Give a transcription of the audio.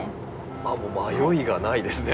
あっもう迷いがないですね。